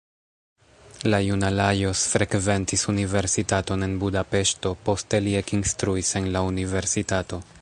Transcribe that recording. La juna Lajos frekventis universitaton en Budapeŝto, poste li ekinstruis en la universitato.